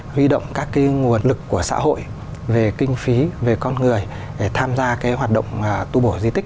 huy động các nguồn lực của xã hội về kinh phí về con người để tham gia cái hoạt động tu bổ di tích không lấy từ nguồn vốn của nhà nước